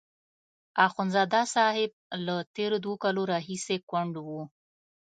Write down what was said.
اخندزاده صاحب له تېرو دوو کالو راهیسې کونډ وو.